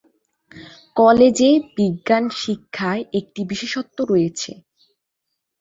কলেজে বিজ্ঞান শিক্ষায় একটি বিশেষত্ব রয়েছে।